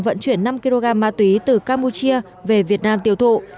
vận chuyển năm kg ma túy từ campuchia về việt nam tiêu thụ